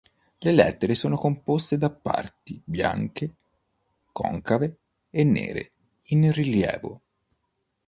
Le lettere sono composte da parti "bianche", concave, e "nere", in rilievo.